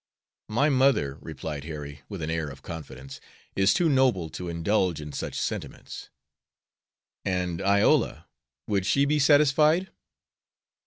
"My mother," replied Harry, with an air of confidence, "is too noble to indulge in such sentiments." "And Iola, would she be satisfied?"